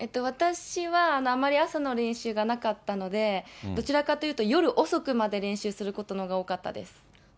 私はあんまり朝の練習がなかったので、どちらかというと、夜遅くまで練習することの方が多かったです。